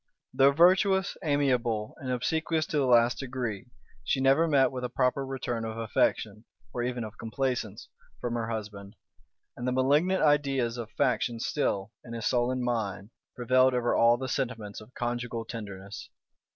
Though virtuous, amiable, and obsequious to the last degree, she never met with a proper return of affection, or even of complaisance, from her husband; and the malignant ideas of faction still, in his sullen mind, prevailed over all the sentiments of conjugal tenderness.